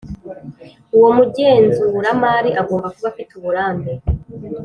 Uwo mugenzuramari agomba kuba afite uburambe